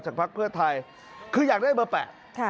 พักเพื่อไทยคืออยากได้เบอร์๘